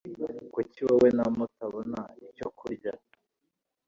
Kuki wowe na mutabona icyo kurya?